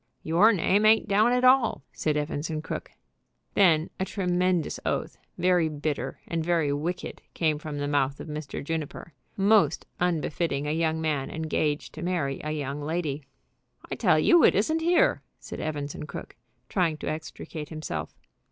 "Your name ain't down at all," said Evans & Crooke. Then a tremendous oath, very bitter and very wicked, came from the mouth of Mr. Juniper, most unbefitting a young man engaged to marry a young lady. "I tell you it isn't here," said Evans & Crooke, trying to extricate himself.